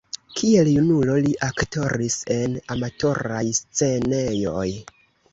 Kiel junulo li aktoris en amatoraj scenejoj.